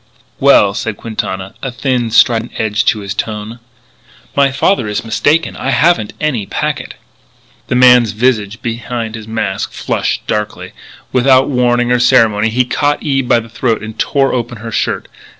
"Well," said Quintana, a thin, strident edge to his tone. "My father is mistaken. I haven't any packet." The man's visage behind his mask flushed darkly. Without warning or ceremony he caught Eve by the throat and tore open her shirt.